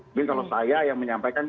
mungkin kalau saya yang menyampaikan